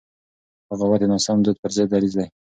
بغاوت د ناسم دود پر ضد دریځ دی.